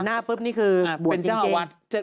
หน้าปุ๊บนี่คือบวนจริงเจน